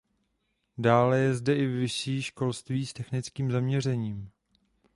Dále je zde i vyšší školství s technickým zaměřením.